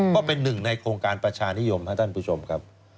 ก็เป็นหนึ่งในโครงการประชานิยมครับท่านผู้ชมครับ